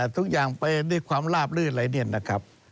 ทุกอย่างไปด้วยความลาบลื่นอะไรเนี่ยนะครับ